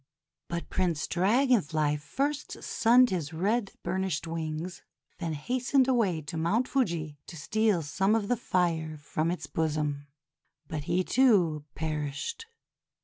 But Prince Dragon Fly first sunned his red burnished wings, then hastened away to Mount Fuji to steal some of the fire from its bosom. But he, too, perished.